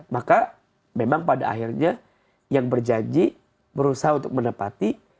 maka memang pada akhirnya yang berjanji berusaha untuk menepati